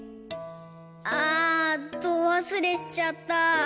あどわすれしちゃった。